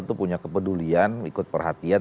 itu punya kepedulian ikut perhatian